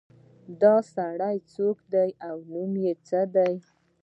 دا سړی څوک ده او نوم یې څه ده